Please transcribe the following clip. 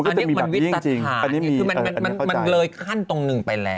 อันนี้มันวิตรฐานไงคือมันเลยขั้นตรงหนึ่งไปแล้ว